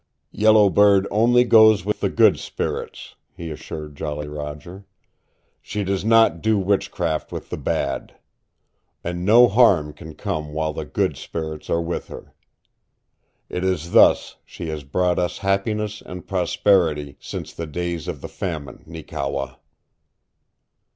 "Yellow Bird only goes with the good spirits," he assured Jolly Roger. "She does not do witchcraft with the bad. And no harm can come while the good spirits are with her. It is thus she has brought us happiness and prosperity since the days of the famine, Neekewa!"